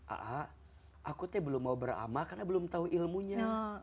aa aku teh belum mau beramal karena belum tahu ilmunya